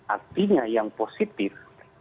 artinya yang positif